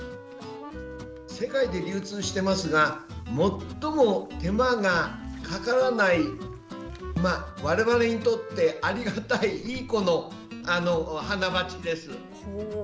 世界で流通していますが最も手間がかからない我々にとって、ありがたいいい子の花鉢です。